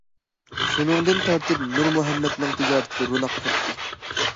شۇنىڭدىن تارتىپ نۇرمۇھەممەتنىڭ تىجارىتى روناق تاپتى.